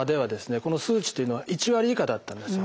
この数値というのは１割以下だったんですよ。